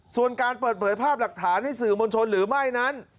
ส่วนการเปิดเผยภาพหลักฐานให้สื่อมวลชนหรือไม่นั้น